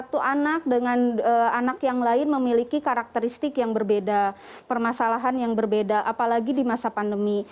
satu anak dengan anak yang lain memiliki karakteristik yang berbeda permasalahan yang berbeda apalagi di masa pandemi